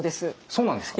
そうなんですか。